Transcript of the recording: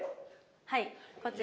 はいこちら。